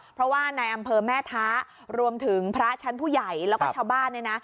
เพราะว่าในอำเภอแม่ท้ารวมถึงพระชั้นผู้ใหญ่แล้วก็ชาวบ้านเนี่ยนะ